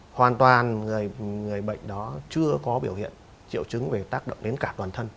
hoàn toàn người bệnh đó chưa có biểu hiện triệu chứng về tác động đến cả